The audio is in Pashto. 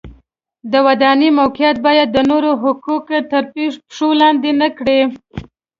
د ودانیو موقعیت باید د نورو حقوق تر پښو لاندې نه کړي.